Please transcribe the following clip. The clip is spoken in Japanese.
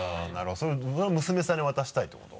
それ娘さんに渡したいってこと？